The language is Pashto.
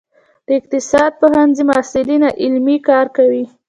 د اقتصاد پوهنځي محصلین عملي کار کوي؟